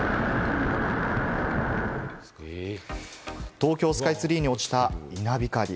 東京スカイツリーに落ちた稲光。